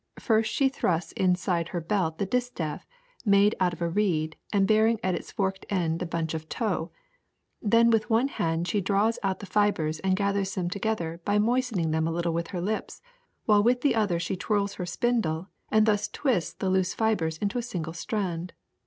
First she thrusts inside her belt the distaff, made out of a reed and bearing at its forked end a bunch of tow ; then with one hand she draws out the fibers and gathers them together by moistening them a little with her lips, while with the other she twirls her spindle and thus twists the loose fibers into a single strand.